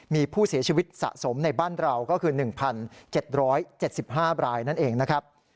มีผู้เสียชีวิตสะสมในบ้านเราก็คือ๑๗๗๕รายนั่นเองนะครับ